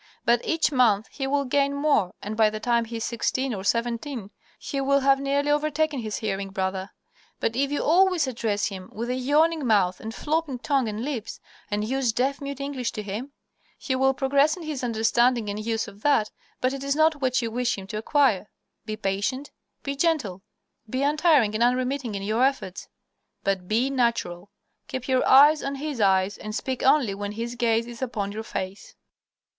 But each month he will gain more, and by the time he is sixteen or seventeen he will have very nearly overtaken his hearing brother. But if you always address him with a yawning mouth and flopping tongue and lips, and use deaf mute English to him, he will progress in his understanding and use of that, but it is not what you wish him to acquire. Be patient, be gentle, be untiring and unremitting in your efforts, but BE NATURAL. _Keep your eyes on his eyes and speak only when his gaze is upon your face.